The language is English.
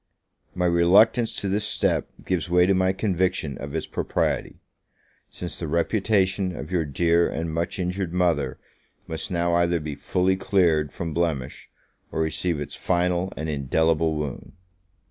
My reluctance to this step gives way to my conviction of its propriety, since the reputation of your dear and much injured mother must now either be fully cleared from blemish, or receive its final and indelible wound.